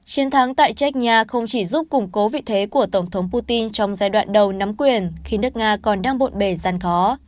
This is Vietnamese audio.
chiến thắng tại check nha không chỉ giúp củng cố vị thế của tổng thống putin trong giai đoạn đầu nắm quyền khi nước nga còn đang bộn bề gian khó